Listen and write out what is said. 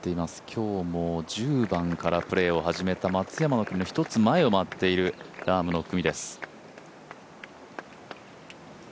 今日も１０番からプレーを始めた、松山の１つ前を回っているラームの組です。